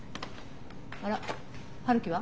あら陽樹は？